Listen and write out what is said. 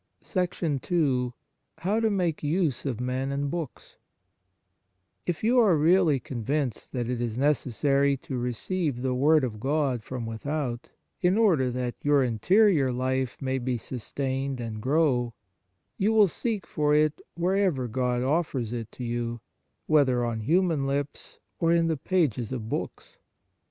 II How to make use of Men and Books If you are really convinced that it is necessary to receive the Word of God from without, in order that your interior life may be sustained and grow, you will seek for it wherever God offers it to you, whether on human lips or in the pages of books.